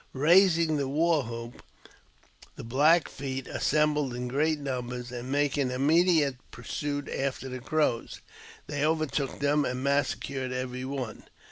Eaising the war hoop, the Black Feet assembled in great numbers, and, making immediate pursuit after the Crows, they overtook them, and massacred every one.